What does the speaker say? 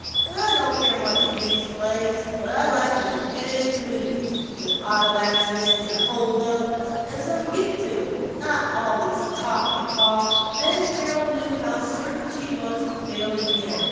But I don't care much for these plays. What I like is a good movie, with auto accidents and hold ups, and some git to it, and not all this talky talk." Then Carol knew how certain she was to fail again.